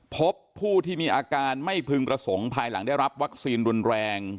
พบผู้ที่มีอาการไม่พึงประสงค์ภายหลังได้รับวัคซีนรุนแรง